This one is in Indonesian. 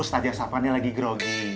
ustazah sapa ini lagi grogi